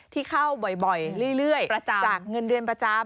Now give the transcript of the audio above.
ที่เข้าบ่อยเรื่อยจากเงินเดือนประจำ